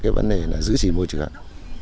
cái vấn đề là giữ chỉ môi trường